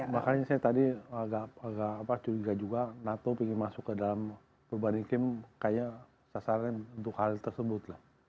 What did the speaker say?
makanya saya tadi agak curiga juga nato ingin masuk ke dalam perubahan iklim kayaknya sasaran untuk hal tersebut